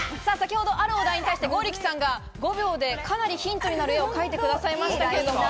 先ほど、あるお題に対し、剛力さんが５秒でかなりヒントになる絵を描いてくださいました。